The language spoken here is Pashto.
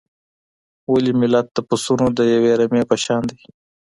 ولي ملت د پسونو د یوې رمې په شان دی؟